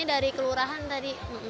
dari kelurahan tadi